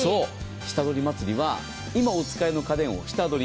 下取り祭は今お使いの家電を下取り。